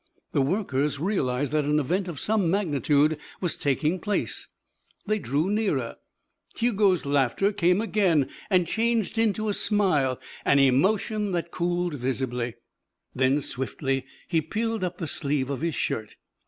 The workers realized that an event of some magnitude was taking place. They drew nearer. Hugo's laughter came again and changed into a smile an emotion that cooled visibly. Then swiftly he peeled up the sleeve of his shirt.